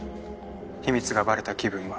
秘密がバレた気分は。